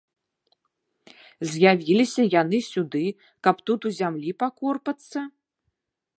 З'явіліся яны сюды, каб тут у зямлі пакорпацца?